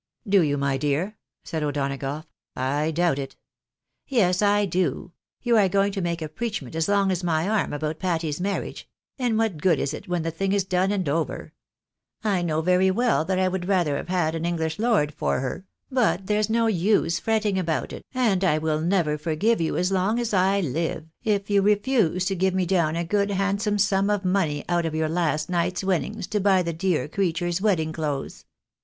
" Do you, my dear? " said O'Donagough. "I doubt it!" " Yes, I do. You are going to make a preachment as long as my arm about Patty's marriage ; and what good is it when the thing is done and over ? I know very well that I would rather have had an English lord for her ; but there's no use fretting about it, and I will never forgive you as long as I live, if you refuse to give me down a good handsome sum of money out of your last night's winnings to buy the dear creature's wedding clothes.